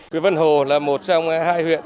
huyện vân hồ là một trong hai huyện